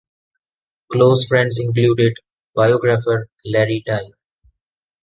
Close friends included biographer Larry Tye.